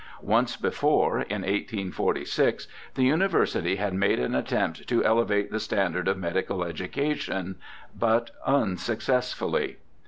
Once before, in 1846, the University had made an attempt to elevate the standard of medical education, but unsuccessfully.